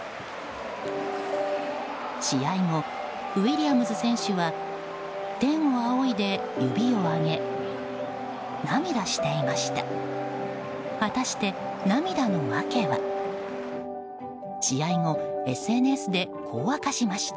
試合後、ウィリアムズ選手は天を仰いで指を上げ、涙していました。